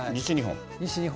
西日本。